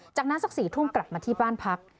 จากนั้นสัก๔ทุ่มกลับมาที่บ้านพัก